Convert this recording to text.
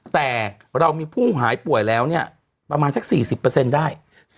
แต่เรามีผู้หายป่วยแล้วเนี่ยประมาณสัก๔๐ได้